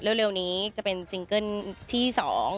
เร็วนี้จะเป็นซิงเกิ้ลที่๒